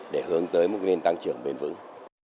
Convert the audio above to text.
để hướng tới một nền tăng trưởng bền vững